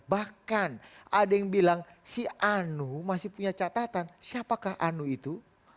bahkan ada yang bilang si anu masih punya catatan siapakah anu itu